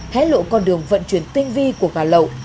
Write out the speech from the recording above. hé lộ con đường vận chuyển tinh vi của gà lậu